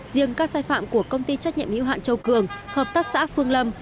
riêng các sai phạm của công ty trách nhiệm hữu hạn châu cường hợp tác xã phương lâm